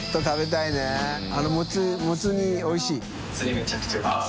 めちゃくちゃうまいです。